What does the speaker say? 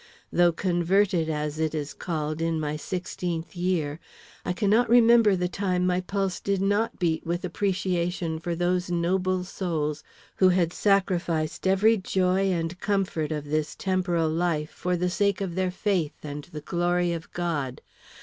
Though converted, as it is called, in my sixteenth year, I cannot remember the time my pulse did not beat with appreciation for those noble souls who had sacrificed every joy and comfort of this temporal life for the sake of their faith and the glory of God.